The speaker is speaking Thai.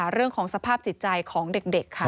เรื่องของสภาพจิตใจของเด็กค่ะ